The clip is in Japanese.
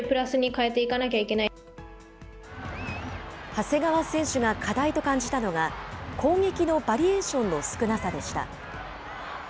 長谷川選手が課題と感じたのが、攻撃のバリエーションの少なさでした。